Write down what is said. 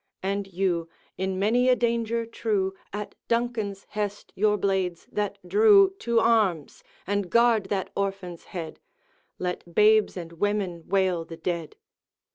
And you, in many a danger true At Duncan's hest your blades that drew, To arms, and guard that orphan's head! Let babes and women wail the dead.'